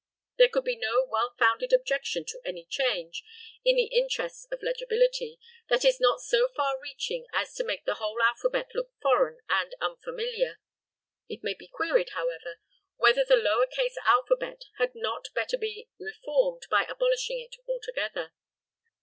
There could be no well founded objection to any change, in the interests of legibility, that is not so far reaching as to make the whole alphabet look foreign and unfamiliar. It may be queried, however, whether the lower case alphabet had not better be reformed by abolishing it altogether.